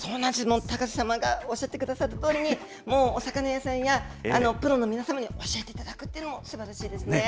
高瀬様がおっしゃってくださるとおりに、もうお魚屋さんや、プロの皆さんに教えていただくっていうのもすばらしいですね。